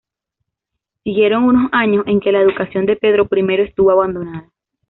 Siguieron unos años en que la educación de Pedro I estuvo abandonada.